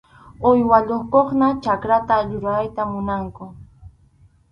Uywayuqkuna chakrata rurayta munanku.